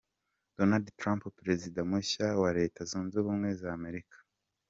Donald Trump Perezida mushya wa Leta Zunze Ubumwe za Amerika.